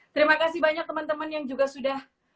terima kasih banyak teman teman yang juga sudah